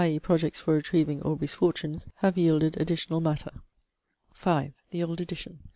e. projects for retrieving Aubrey's fortunes have yielded additional matter. V. THE OLD EDITION.